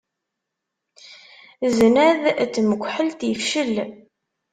Zznad n tmekḥelt ifcel.